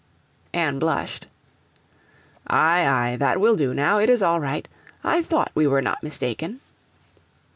Anne blushed. 'Aye, aye, that will do now, it is all right. I thought we were not mistaken.'